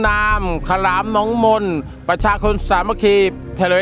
ก็บอกพี่ป๋องว่าวิเคราะห์ดีดี